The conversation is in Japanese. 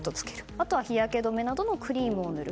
あとは、日焼け止めなどのクリームを塗る。